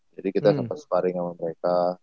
jadi kita ke pasparing sama mereka